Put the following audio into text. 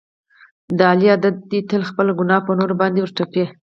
د علي عادت دی تل خپله ګناه په نورو باندې ور تپي.